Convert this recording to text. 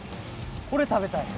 これ食べたい。